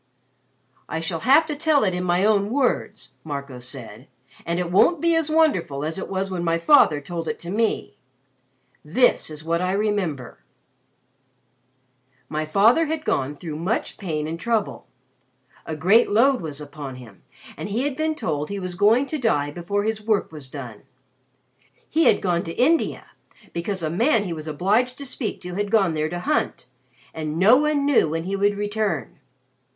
"I shall have to tell it in my own words," Marco said. "And it won't be as wonderful as it was when my father told it to me. This is what I remember: "My father had gone through much pain and trouble. A great load was upon him, and he had been told he was going to die before his work was done. He had gone to India, because a man he was obliged to speak to had gone there to hunt, and no one knew when he would return.